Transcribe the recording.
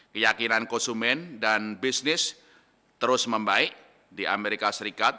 keyakinan konsumen dan bisnis terus membaik di amerika serikat